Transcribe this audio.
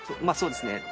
まあそうですね。